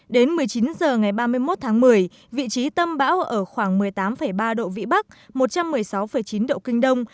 đến một mươi chín h ngày ba mươi một tháng một mươi vị trí tâm bão ở khoảng một mươi tám ba độ vĩ bắc một trăm một mươi sáu chín độ kinh đông